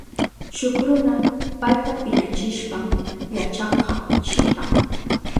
Shuk runa payta piñachishpan yachakka shitan.